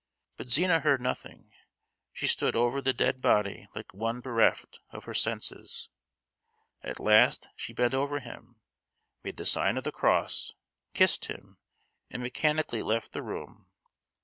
But Zina heard nothing. She stood over the dead body like one bereft of her senses. At last she bent over him, made the sign of the Cross, kissed him, and mechanically left the room.